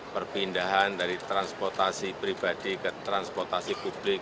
perpindahan dari transportasi pribadi ke transportasi publik